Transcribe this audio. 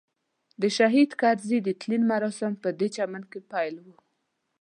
د شهید کرزي د تلین مراسم پدې چمن کې پیل وو.